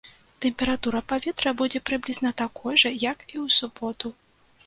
Тэмпература паветра будзе прыблізна такой жа, як і ў суботу.